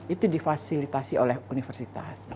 itu difasilitasi oleh universitas